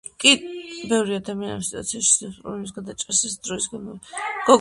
ბევრი ადამიანი ამ სიტუაციაში ცდილობს პრობლემის გადაჭრას, რაღაც დროის განმავლობაში მაინც, თავშეკავებით.